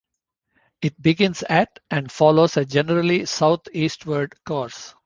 It begins at and follows a generally southeastward course.